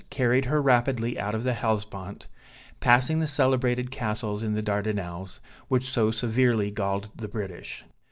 carried her rapidly out of the Hellespont, passing the celebrated castles in the Dardanelles, which so severely galled the British.